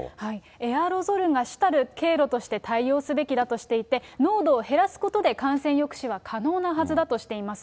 エアロゾルが主たる経路として対応すべきだとしていて、濃度を減らすことで感染抑止は可能なはずだとしています。